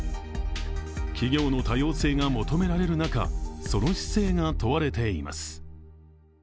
企業の多様性が求められる中その姿勢が問われています。